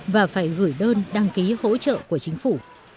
và phải gửi đơn đăng ký hỗ trợ của chính phủ